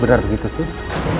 benar begitu sus